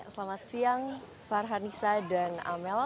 selamat siang farhanisa dan amel